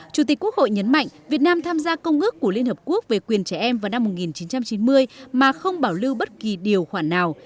chủ tịch quốc hội nhấn mạnh việt nam tham gia công ước của liên hợp quốc về quyền trẻ em vào năm một nghìn chín trăm chín mươi mà không bảo lưu bất kỳ điều khoản nào